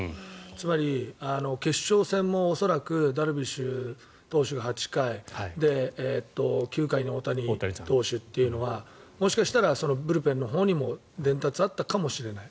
つまり、決勝戦も恐らくダルビッシュ投手が８回９回に大谷投手というのはもしかしたらブルペンのほうにも伝達があったかもしれない。